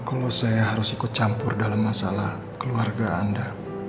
kalau saya harus ikut campur dalam masalah keluarga anda